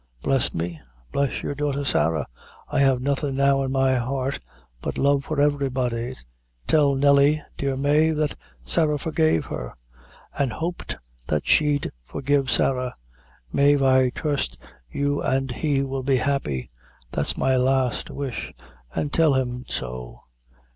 Bless me bless your daughter Sarah, I have nothing now in my heart but love for everybody. Tell Nelly, dear Mave, that Sarah forgave her, an' hoped that she'd forgive Sarah. Mave, I trust that you an' he will be happy that's my last wish, an' tell him so.